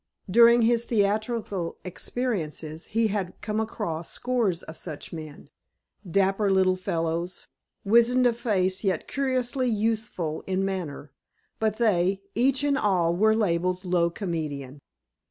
During his theatrical experiences he had come across scores of such men, dapper little fellows, wizened of face yet curiously youthful in manner; but they, each and all, were labeled "low comedian."